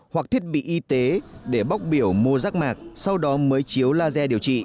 hoặc thiết bị y tế để bóc biểu mô rác mạc sau đó mới chiếu laser điều trị